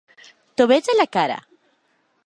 T'ho veig a la cara.